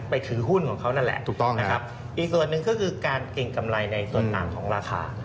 ถือหุ้นของเขานั่นแหละถูกต้องนะครับอีกส่วนหนึ่งก็คือการเกรงกำไรในส่วนต่างของราคา